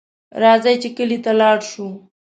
راځئ چې کلي ته لاړ شو